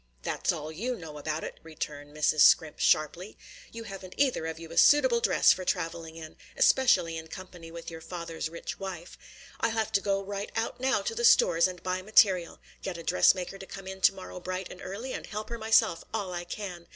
"That's all you know about it!" returned Mrs. Scrimp sharply. "You haven't either of you a suitable dress for travelling in, especially in company with your father's rich wife. I'll have to go right out now to the stores and buy material, get a dress maker to come in to morrow bright and early, and help her myself all I can.